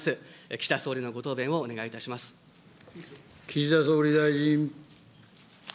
岸田総理のご答弁をお願いいたし岸田総理大臣。